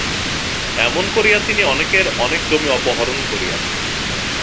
এমন করিয়া তিনি অনেকের অনেক জমি অপহরণ করিয়াছেন।